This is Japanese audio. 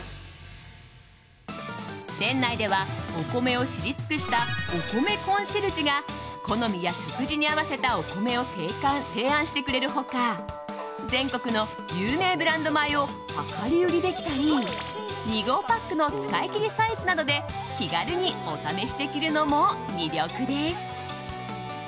店内ではお米を知り尽くしたお米コンシェルジュが好みや食事に合わせたお米を提案してくれる他全国の有名ブランド米を量り売りできたり２合パックの使いきりサイズなどで気軽にお試しできるのも魅力です。